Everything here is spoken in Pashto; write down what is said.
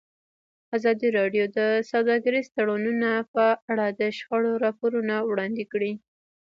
ازادي راډیو د سوداګریز تړونونه په اړه د شخړو راپورونه وړاندې کړي.